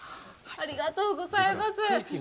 ありがとうございます。